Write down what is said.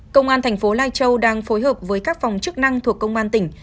công an thành phố lai châu đang phối hợp với các phòng chức năng thuộc công an tỉnh